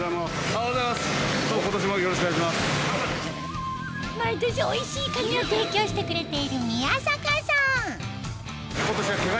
毎年おいしいカニを提供してくれている宮坂さん